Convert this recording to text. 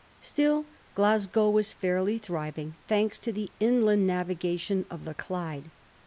Still, Glasgow was fairly thriving, thanks to the inland navigation of the Clyde.